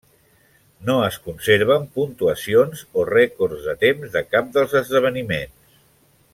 No es conserven puntuacions o rècords de temps de cap dels esdeveniments.